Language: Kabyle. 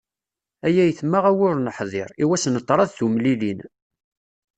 Ay ayetma a wi ur nḥḍir, i wass n ṭṭrad tumlilin.